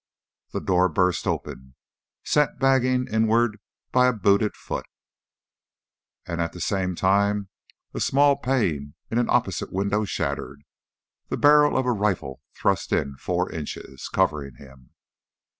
The door burst open, sent banging inward by a booted foot. And at the same time a small pane in an opposite window shattered, the barrel of a rifle thrust in four inches, covering him.